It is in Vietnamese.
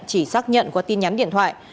chỉ xác nhận qua tin nhắn điện thoại